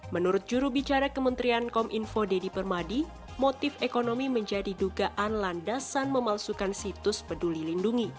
menurut jurubicara kementerian kom info deddy permadi motif ekonomi menjadi dugaan landasan memperbaiki